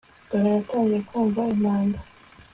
dore natangiye mvuza impanda